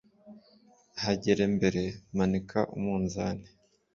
hagere mbere ¨ manika umunzani